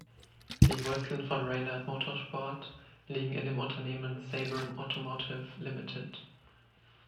Die Wurzeln von Reynard Motorsport liegen in dem Unternehmen "Sabre Automotive Ltd.